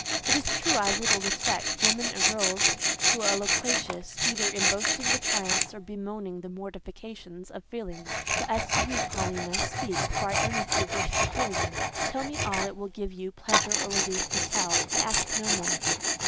"It is true I little respect women or girls who are loquacious either in boasting the triumphs, or bemoaning the mortifications, of feelings. But as to you, Paulina, speak, for I earnestly wish to hear you. Tell me all it will give you pleasure or relief to tell: I ask no more."